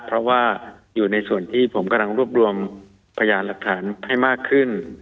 เพราะว่าอยู่ในส่วนที่ผมกำลังรวบรวมพยานหลักฐานให้มากขึ้น